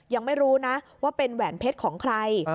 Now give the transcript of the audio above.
ยังไม่รู้นะว่าเป็นแหวนเพชรของใคร